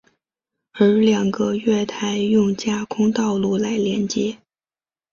而两个月台用架空道路来连接。